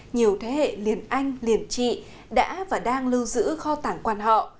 nhiều thế hệ liền anh liền trị đã và đang lưu giữ kho tảng quán họ